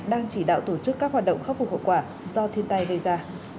đang chỉ đạo tổ chức các hoạt động khắc phục hậu quả do thiên tai gây ra